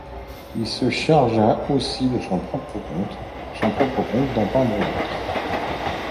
Il se chargea aussi pour son propre compte d'en peindre d'autres.